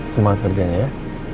semangat kerjanya ya